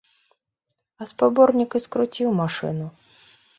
А спаборнік і скруціў машыну.